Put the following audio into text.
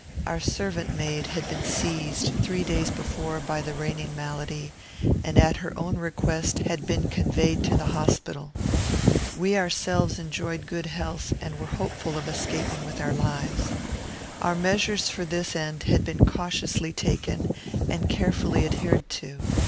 Our servant maid had been seized, three days before, by the reigning malady, and, at her own request, had been conveyed to the hospital. We ourselves enjoyed good health, and were hopeful of escaping with our lives. Our measures for this end had been cautiously taken and carefully adhered to.